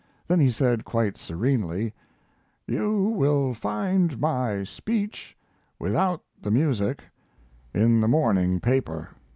Then he said, quite serenely: "You will find my speech, without the music, in the morning paper."